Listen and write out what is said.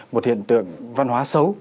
một hiện tượng văn hóa xấu